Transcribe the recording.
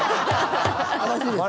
正しいですか？